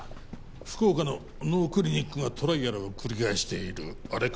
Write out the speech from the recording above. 福岡の脳クリニックがトライアルを繰り返しているあれか？